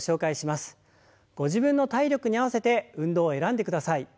ご自分の体力に合わせて運動を選んでください。